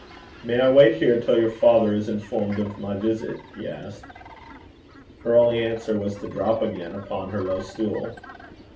'May I wait here till your father is informed of my visit?' he asked. Her only answer was to drop again upon her low stool.